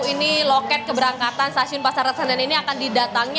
ini loket keberangkatan stasiun pasar senen ini akan didatangi